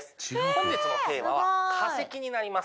本日のテーマは化石になります。